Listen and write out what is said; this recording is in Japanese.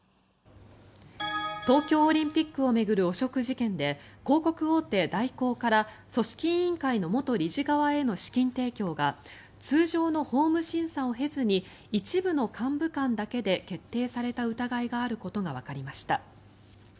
東京オリンピックを巡る汚職事件で広告大手、大広から組織委員会の元理事側への資金提供が通常の法務審査を経ずに一部の幹部間だけで決定された疑いがあることがわかりました。